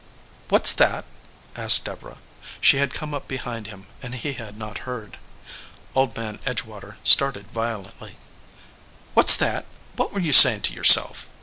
"What s that?" asked Deborah. She had come up behind him, and he had not heard. Old Man Edgewater started violent!} . "What s that ? What were you saying to your self